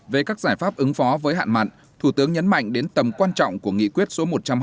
về các giải pháp ứng phó với hạn mặn thủ tướng nhấn mạnh đến tầm quan trọng của nghị quyết số một trăm hai mươi